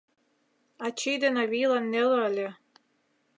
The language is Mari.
Ачий ден авийлан неле ыле.